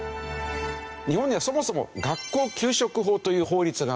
日本にはそもそも学校給食法という法律があって